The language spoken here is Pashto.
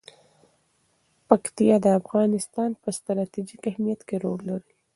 پکتیا د افغانستان په ستراتیژیک اهمیت کې رول لري.